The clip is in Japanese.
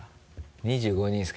２５人ですか？